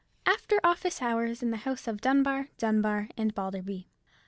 AFTER OFFICE HOURS IN THE HOUSE OF DUNBAR, DUNBAR, AND BALDERBY.